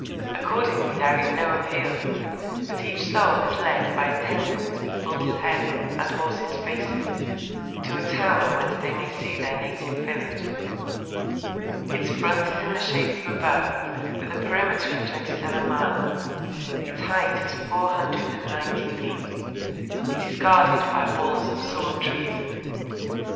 Accordingly there is no appeal, but each soul is led by attendants with bulls' heads and horses' faces to a tower whence they may see their native village. Its front is in the shape of a bow with a perimeter of twenty seven miles; its height is four hundred and ninety feet. It is guarded by walls of sword trees.